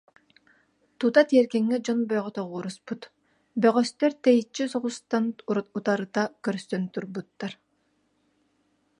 Тута тиэргэҥҥэ дьон бөҕө тоҕуоруспут, бөҕөстөр тэйиччи соҕустан утарыта көрсөн турбуттар